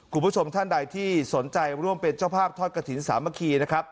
คุณผู้ชมท่านใดที่สนใจร่วมเป็นเจ้าภาพทอดกระถิ่นสามัคคีนะครับ